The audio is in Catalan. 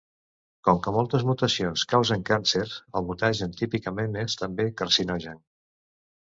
Com que moltes mutacions causen càncer el mutagen típicament és també carcinogen.